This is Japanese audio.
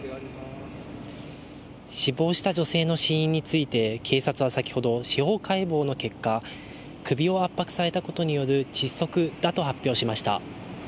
死亡した女性の死因について警察は先ほど司法解剖の結果、首を圧迫されたことによる窒息だと発表しました。